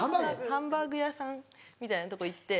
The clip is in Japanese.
ハンバーグ屋さんみたいなとこ行って。